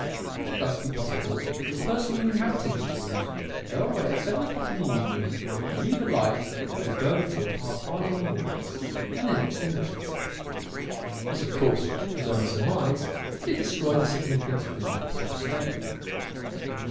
It would thus be possible for the person who inhabited these rooms to go away at seven o'clock in the evening and leave a light which would burn until past one in the morning and then extinguish itself. This, of course, was only surmise, but it destroyed the significance of the night porter's statement.